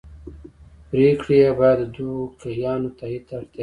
پرېکړې یې باید د دوکیانو تایید ته اړتیا ولري.